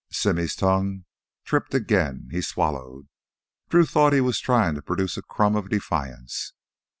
Simmy's tongue tripped again. He swallowed. Drew thought he was trying to produce a crumb of defiance.